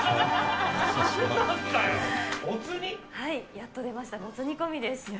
やっと出ました、もつ煮込みです。